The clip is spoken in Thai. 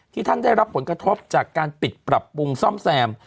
ท่านได้รับผลกระทบจากการปิดปรับปรุงซ่อมแซม